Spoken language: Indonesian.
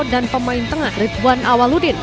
dan pemain tengah rituan awaludin